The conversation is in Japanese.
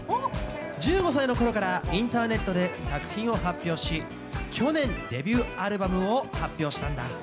１５歳の頃からインターネットで作品を発表し去年デビューアルバムを発表したんだ。